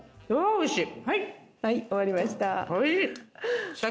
おいしい！